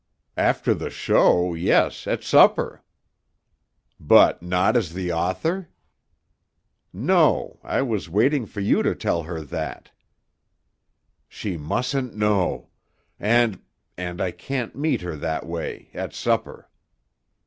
"After the show, yes, at supper." "But not as the author?" "No. I was waiting for you to tell her that." "She mustn't know. And and I can't meet her that way, at supper."